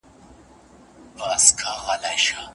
کوم عمل ته په شریعت کې معروف نه ویل کيږي؟